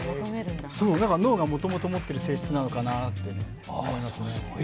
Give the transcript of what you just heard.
脳がもともと持っている性質なのかなって思いますね。